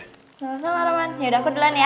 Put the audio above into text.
gak masalah roman yaudah aku duluan ya